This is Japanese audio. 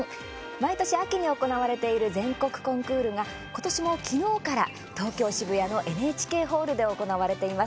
毎年、秋に行われている全国コンクールが今年も昨日から東京・渋谷のＮＨＫホールで行われています。